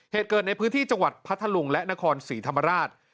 เหตุเกิดในพื้นที่จังหวัดพัทธลุงและนครศรีธรรมราช